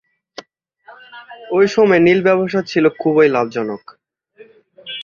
ঐ সময়ে নীল ব্যবসা ছিলো খুবই লাভজনক।